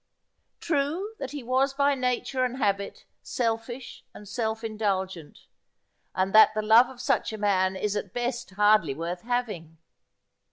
True that he was by nature and habit selfish and self indulgent, and that the love of such a man is at best hardly worth having.